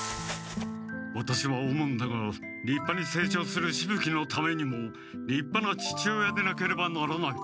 ワタシは思うんだがりっぱにせい長するしぶ鬼のためにもりっぱな父親でなければならない！